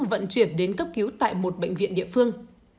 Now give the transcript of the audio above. vận chuyển đến cấp cứu tại một bệnh viện địa phương